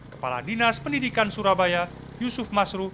kepala dinas pendidikan surabaya yusuf masru